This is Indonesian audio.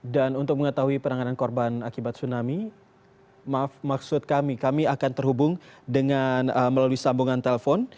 dan untuk mengetahui penanganan korban akibat tsunami maksud kami kami akan terhubung dengan melalui sambungan telpon